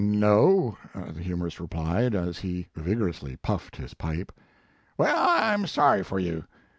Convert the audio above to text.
" "No," the humorist replied, as he vig orously puffed his pipe. "Well, I m sorry for you.